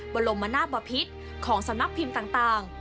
บรมนาศบพิษของสำนักพิมพ์ต่าง